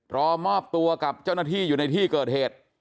รอมอบตัวกับเจ้าหน้าที่อยู่ในที่เกิดเหตุ